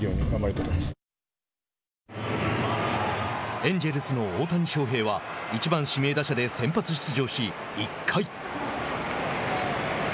エンジェルスの大谷翔平は１番指名打者で先発出場し１回。